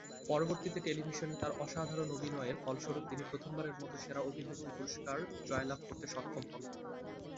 পরবর্তীতে টেলিভিশনে তার অসাধারণ অভিনয়ের ফলস্বরূপ তিনি প্রথমবারের মতো সেরা অভিনেত্রীর পুরস্কার জয়লাভ করতে সক্ষম হন।